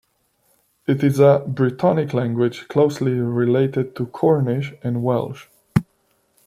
It is a Brittonic language closely related to Cornish and Welsh.